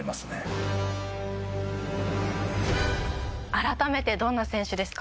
改めてどんな選手ですか？